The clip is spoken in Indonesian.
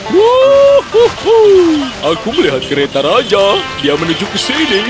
wah aku melihat kereta raja dia menuju ke sini